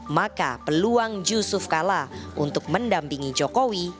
maka peluang yusuf kala untuk mendampingi jokowi